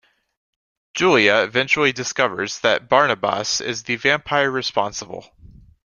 Julia eventually discovers that Barnabas is the vampire responsible.